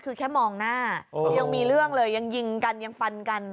คือแค่มองหน้ายังมีเรื่องเลยยังยิงกันยังฟันกัน